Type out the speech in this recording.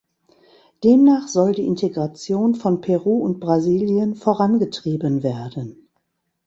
Demnach soll die Integration von Peru und Brasilien vorangetrieben werden.